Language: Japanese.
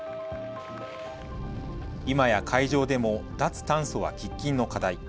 今や海上でも脱炭素は喫緊の課題。